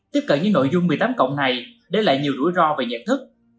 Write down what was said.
tiếp cận những nội dung một mươi tám cộng này để lại nhiều rủi ro về nhận thức